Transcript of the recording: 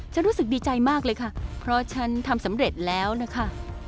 รู้สึกดีใจมากเลยค่ะเพราะฉันทำสำเร็จแล้วนะคะ